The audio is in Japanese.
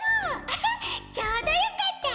アハッちょうどよかった。